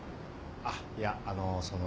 あっいやあのその。